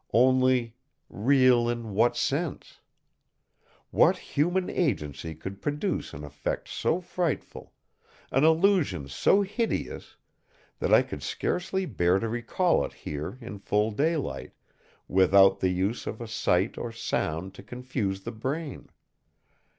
Only, real in what sense? What human agency could produce an effect so frightful, an illusion so hideous that I could scarcely bear to recall it here in full daylight, without the use of a sight or sound to confuse the brain?